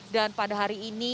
dan pada hari ini